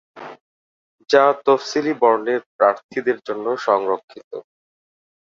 যা তফসিলি বর্ণের প্রার্থীদের জন্য সংরক্ষিত।